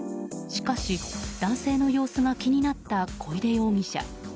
しかし、男性の様子が気になった小出容疑者。